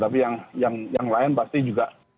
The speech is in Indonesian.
tapi yang yang yang lain pasti juga